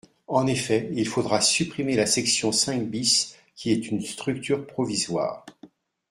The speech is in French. En effet, il faudra supprimer la section cinq bis qui est une structure provisoire.